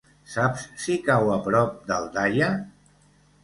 Saps si cau a prop d'Aldaia?